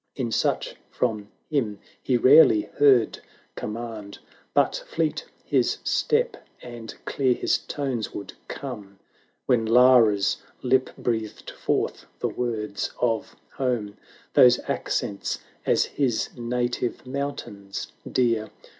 In such from him he rarely heard com mand; But fleet his step, and clear his tones would come, 520 When Lara's lip breathed forth the words of home: Those accents, as his native mountains dear.